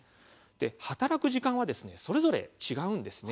働く時間は、それぞれ違うんです。